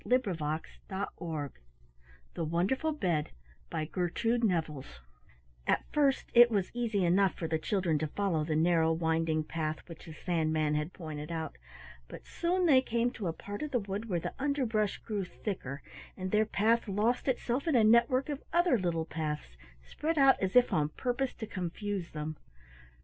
CHAPTER XII ENTER THE KNIGHT MARE At first it was easy enough for the children to follow the narrow winding path which the Sandman had pointed out, but soon they came to a part of the wood where the underbrush grew thicker and their path lost itself in a network of other little paths spread out as if on purpose to confuse them.